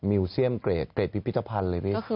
มิวเซียมเกรดเกรดพิพิธภัณฑ์เลยพี่